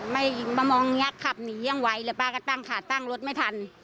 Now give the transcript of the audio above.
ไม่มามองยักษ์ขับหนียังไหวหรือป้าก็ตั้งขาดตั้งรถไม่ทัน